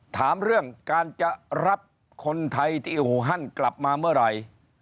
ถามเรื่องการจะรับคนไทยที่อูฮันกลับมาเมื่อไหร่